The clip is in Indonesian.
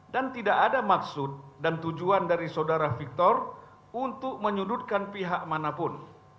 tidak ada maksud dan tujuan dari saudara victor untuk menyudutkan pihak manapun